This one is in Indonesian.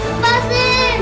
kok ada tangan